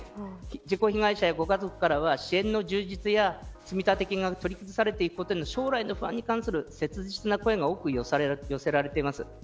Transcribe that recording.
事故被害者やご家族からは支援の充実や積立金が取り崩されることの将来への不安に関する切実な声が多く寄せられています。